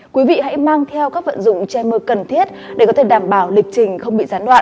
quý vị hãy mang theo các vận dụng che mưa cần thiết để có thể đảm bảo lịch trình không bị gián đoạn